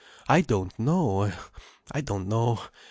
I don't know. I don't know.